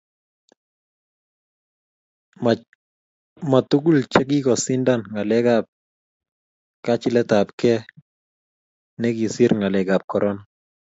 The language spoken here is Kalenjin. ma tugul che kikosindan ngalek ab kachilet ab gee ne kisir ngalek ab korona